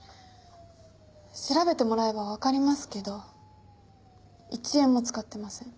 調べてもらえばわかりますけど１円も使ってません。